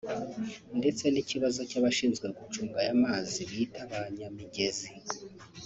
ndetse n’ikibazo cy’abashinzwe gucunga aya mazi bita ba kanyamigezi